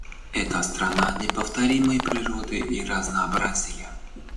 Это страна неповторимой природы и разнообразия.